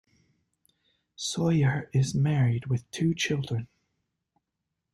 Soyer is married with two children.